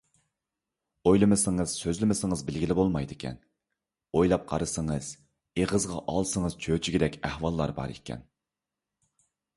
ئويلىمىسىڭىز، سۆزلىمىسىڭىز بىلگىلى بولمايدىكەن، ئويلاپ قارىسىڭىز، ئېغىزغا ئالسىڭىز چۆچۈگۈدەك ئەھۋاللار بار ئىكەن.